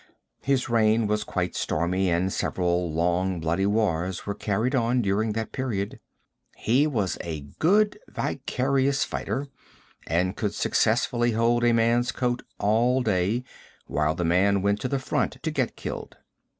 His reign was quite stormy and several long, bloody wars were carried on during that period. He was a good vicarious fighter and could successfully hold a man's coat all day, while the man went to the front to get killed.